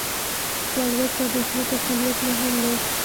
سوالګر ته د زړه تسلیت مهم دی